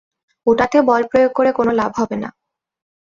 ওটাতে বল প্রয়োগ করে কোনো লাভ হবে না।